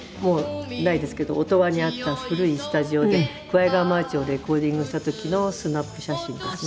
音羽にあった古いスタジオで『クワイ河マーチ』をレコーディングした時のスナップ写真ですね。